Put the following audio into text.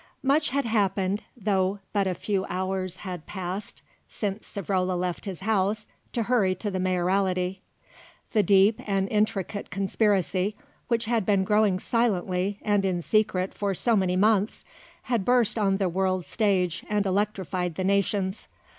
Much had happened, though but a few hours had passed since Savrola left his house to hurry to the Mayoralty. The deep and intricate conspiracy, which had been growing silently and in secret for so many months, had burst on the world's stage and electrified the nations.